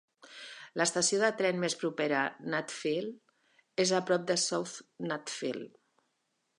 L'estació de tren més propera, Nutfield, és a prop de South Nutfield.